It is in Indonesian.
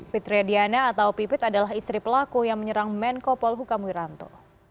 fitriya diana atau pipit adalah istri pelaku yang menyerang menko polhukam wiranto